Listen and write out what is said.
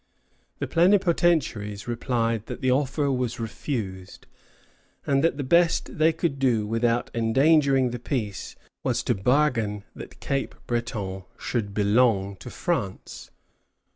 The plenipotentiaries replied that the offer was refused, and that the best they could do without endangering the peace was to bargain that Cape Breton should belong to France.